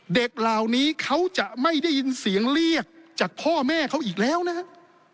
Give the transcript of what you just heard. เด็กเหล่านี้เขาจะไม่ได้ยินเสียงเรียกจากพ่อแม่เขาอีกแล้วนะครับ